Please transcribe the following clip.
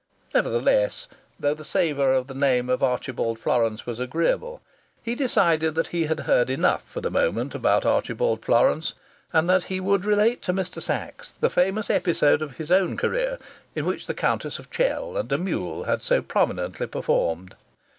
Nevertheless, though the savour of the name of Archibald Florance was agreeable, he decided that he had heard enough for the moment about Archibald Florance, and that he would relate to Mr. Sachs the famous episode of his own career in which the Countess of Chell and a mule had so prominently performed.